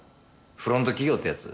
フロント企業ってやつ？